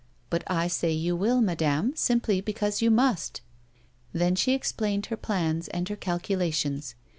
" But I say you will, madame, simply because you must." Then she explained her plans and her calculations.